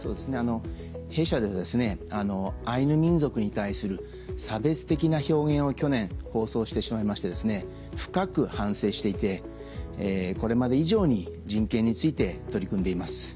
あの弊社でですねアイヌ民族に対する差別的な表現を去年放送してしまいまして深く反省していてこれまで以上に人権について取り組んでいます。